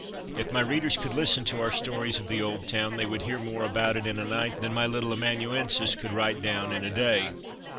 If my readers could listen to our stories of the old town they would hear more about it in a night than my little amanuensis could write down in a day.